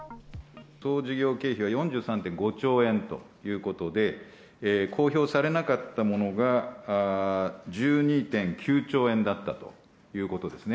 総事業経費は４３．５兆円ということで、公表されなかったものが１２．９兆円だったということですね。